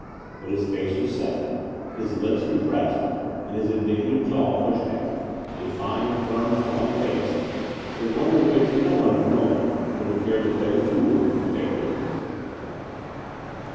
But his face was set, his lips com pressed, and his indicative jaw pushed out — a, fine, firm, strong face, but one with which no one at the moment would have cared to play the fool or take liberties.